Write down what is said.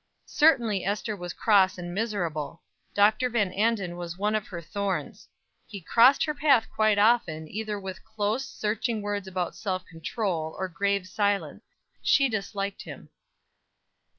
Certainly Ester was cross and miserable. Dr. Van Anden was one of her thorns. He crossed her path quite often, either with close, searching words about self control, or grave silence. She disliked him.